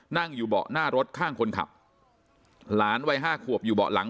นั่งอยู่เบาะหน้ารถข้างคนขับหลานวัยห้าขวบอยู่เบาะหลัง